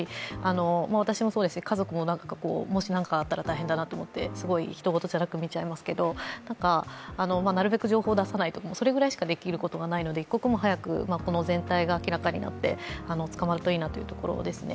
私もそうですし家族ももし何かあったら大変だなと思っていてすごい、ひと事じゃなく見ちゃいますけど、なるべく情報を出さないとか、それぐらいしかないので、一刻も早くこの全体が明らかになって捕まるといいなというところですね。